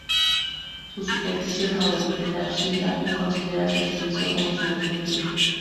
Su superficie favorita es la arcilla y considera su servicio como su mejor tiro.